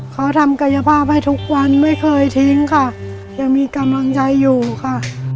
เขาทำกายภาพให้ทุกวันไม่เคยทิ้งค่ะยังมีกำลังใจอยู่ค่ะ